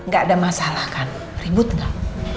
gak ada masalah kan ribut nggak